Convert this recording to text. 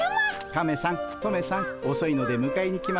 カメさんトメさんおそいのでむかえに来ましたよ。